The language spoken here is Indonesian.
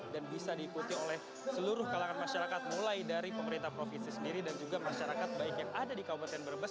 dan bisa diikuti oleh seluruh kalangan masyarakat mulai dari pemerintah provinsi sendiri dan juga masyarakat baik yang ada di kabupaten berbas